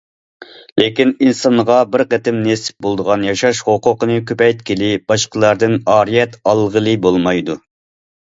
لېكىن ئىنسانغا بىر قېتىم نېسىپ بولىدىغان ياشاش ھوقۇقىنى كۆپەيتكىلى، باشقىلاردىن ئارىيەت ئالغىلى بولمايدۇ.